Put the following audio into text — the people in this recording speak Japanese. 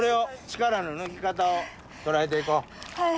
はい。